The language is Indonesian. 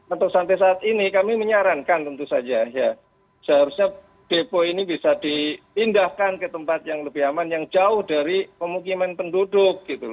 untuk sampai saat ini kami menyarankan tentu saja ya seharusnya depo ini bisa dipindahkan ke tempat yang lebih aman yang jauh dari pemukiman penduduk gitu